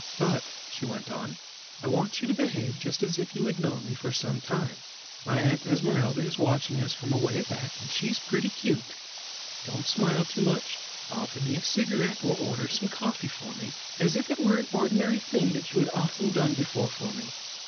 "But," she went on, "I want you to behave just as if you had known me for some time. My Aunt Esmeralda is watching us from away back, and she's pretty 'cute. Don't smile too much. Offer me a cigarette or order some coffee for me, as if it were an ordinary thing that you had often done before for me.